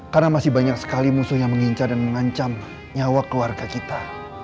karena masih banyak sekali musuh yang mengincar dan mengancam nyawa keluarga kita